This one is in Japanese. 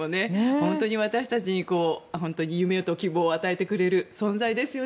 本当に私たちに夢と希望を与えてくれる存在ですよね。